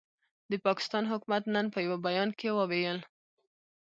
د پاکستان حکومت نن په یوه بیان کې وویل،